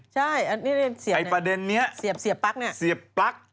ใช่ไอประเด็นนี้เสียบปั๊กเสียบปั๊ก